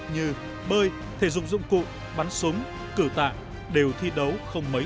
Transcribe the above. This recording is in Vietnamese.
như bơi thể dục dụng cụ bắn súng cử tạng đều thi đấu không mấy